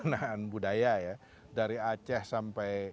pembicara enam puluh tiga nah brobudur itu kan abad ke delapan ya